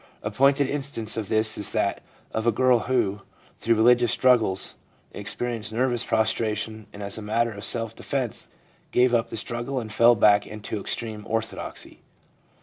A pointed instance of this is that of a girl who, through religious struggles, experienced nervous prostration, and as a matter of self defence gave up the struggle and fell back into extreme orthodoxy.